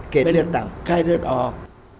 เข้าเลือดออก